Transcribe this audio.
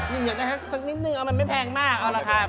นี่เดี๋ยวนะคะสักนิดหนึ่งไม่แพงมาก